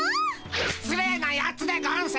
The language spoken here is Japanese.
しつ礼なやつでゴンス！